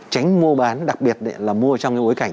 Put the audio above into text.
tránh mua bán đặc biệt là mua trong cái bối cảnh